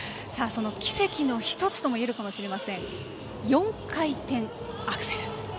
その奇跡の１つともいえるかもしれません４回転アクセル。